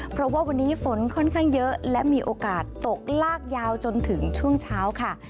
เพราะว่าวันนี้ฝนค่อนข้างเยอะและมีโอกาสตกลากยาวจนถึงช่วงเช้าค่ะ